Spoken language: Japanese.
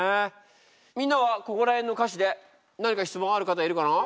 みんなはここら辺の歌詞で何か質問ある方いるかな？